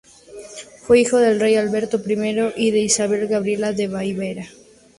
Fue hijo del rey Alberto I y de Isabel Gabriela de Baviera.